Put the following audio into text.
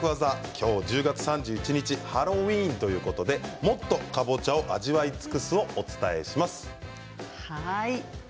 今日１０月３１日はハロウィーンということでもっとかぼちゃを味わい尽くすをお伝えします。